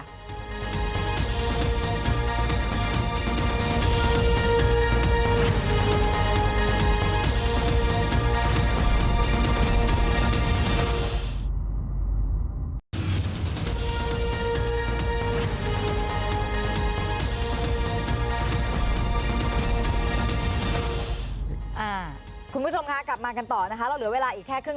คุณผู้ชมคะกลับมากันต่อนะคะเราเหลือเวลาอีกแค่ครึ่ง